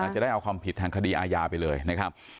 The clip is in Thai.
จะได้เอาความผิดทางคดีอาญาไปเลยนะครับ